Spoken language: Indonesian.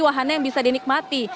wahana yang bisa dinikmati